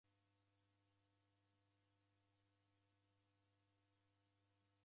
Kusenyo machi gha vua